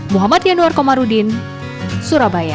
muhammad yanuar komarudin surabaya